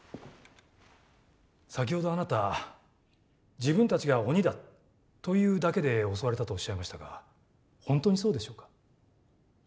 先ほどあなた自分たちが鬼だというだけで襲われたとおっしゃいましたが本当にそうでしょうか？